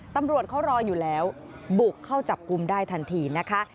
ตำรวจเขารออยู่แล้วบุกเข้าจับกลุ่มได้ทันทีนะคะ